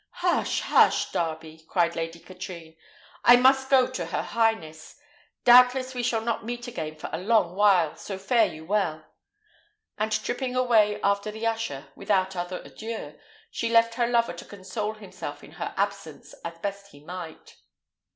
"Hush, hush, Darby!" cried Lady Katrine; "I must go to her highness. Doubtless we shall not meet again for a long while; so fare you well!" and tripping away after the usher, without other adieu, she left her lover to console himself in her absence as best he might.